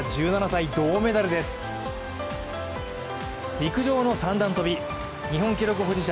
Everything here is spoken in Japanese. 陸上の三段跳び、日本記録保持者